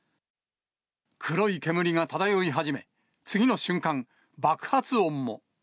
黒い煙が漂い始め、次の瞬間、爆発音も。